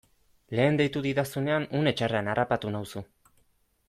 Lehen deitu didazunean une txarrean harrapatu nauzu.